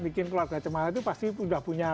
bikin keluarga cemara itu pasti udah punya